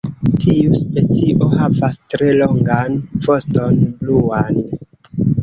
Tiu specio havas tre longan voston bluan.